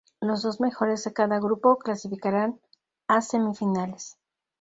Los dos mejores de cada grupo clasificaran a semifinales.